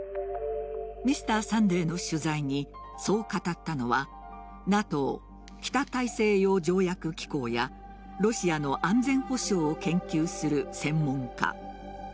「Ｍｒ．サンデー」の取材にそう語ったのはＮＡＴＯ＝北大西洋条約機構やロシアの安全保障を研究する専門家。